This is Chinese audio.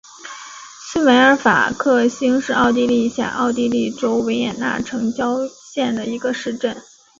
茨韦尔法克兴是奥地利下奥地利州维也纳城郊县的一个市镇。